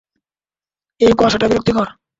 এই কুয়াশাটা বিরক্তিকর।